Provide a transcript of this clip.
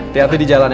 tiap tiap di jalan ya